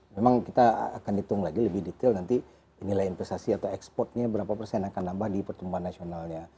memang kita akan hitung lagi lebih detail nanti nilai investasi atau ekspornya berapa persen akan nambah di pertumbuhan nasionalnya